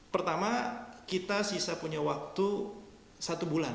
pertama kita sisa punya waktu satu bulan